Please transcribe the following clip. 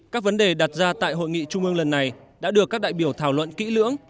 các vấn đề đặt ra tại hội nghị trung ương lần này đã được các đại biểu thảo luận kỹ lưỡng